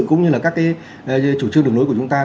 cũng như là các cái chủ trương đường lối của chúng ta